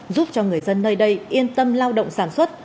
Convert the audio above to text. giúp cho người dân nơi đây yên tâm lao động sản xuất